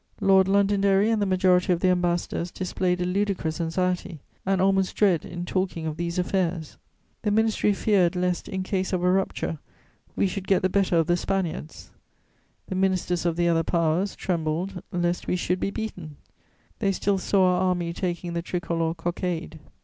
Lord Londonderry and the majority of the ambassadors displayed a ludicrous anxiety and almost dread in talking of these affairs. The Ministry feared lest, in case of a rupture, we should get the better of the Spaniards; the ministers of the other Powers trembled lest we should be beaten: they still saw our army taking the tricolour cockade.